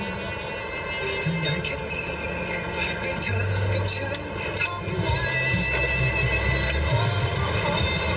พอแจ้งทั้งหมดหรือติ